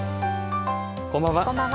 こんばんは。